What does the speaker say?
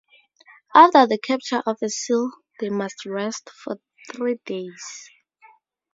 After the capture of a seal, they must rest for three days.